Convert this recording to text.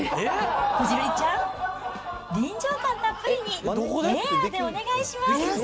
こじるりちゃん、臨場感たっぷりに、エアでお願いします。